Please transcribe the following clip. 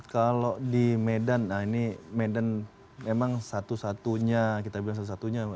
kalau di medan nah ini medan memang satu satunya kita bilang salah satunya